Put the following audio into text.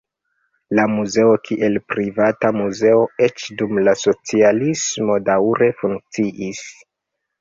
La muzeo, kiel privata muzeo, eĉ dum la socialismo daŭre funkciis.